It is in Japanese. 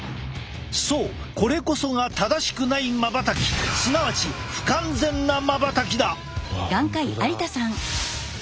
そうこれこそが正しくないまばたきすなわち不完全なまばたきだ！